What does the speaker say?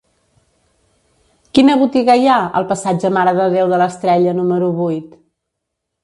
Quina botiga hi ha al passatge Mare de Déu de l'Estrella número vuit?